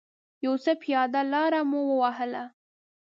یو څه پیاده لاره مو و وهله.